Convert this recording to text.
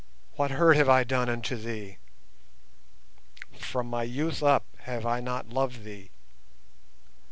What hurt have I done unto thee? From my youth up have I not loved thee?